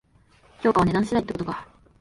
評価は値段次第ってことか